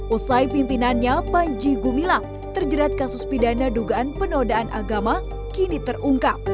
usai pimpinannya panji gumilang terjerat kasus pidana dugaan penodaan agama kini terungkap